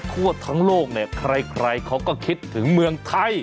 ทั่วทั้งโลกเนี่ยใครเขาก็คิดถึงเมืองไทย